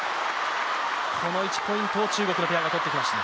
この１ポイントを中国のペアがとってきました。